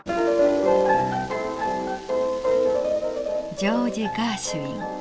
ジョージ・ガーシュイン。